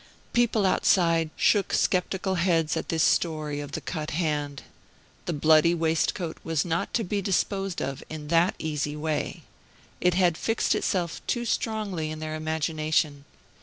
People outside shook skeptical heads at this story of the cut hand. The bloody waistcoat was not to be disposed of in that easy way. It had fixed itself too strongly in their imagination.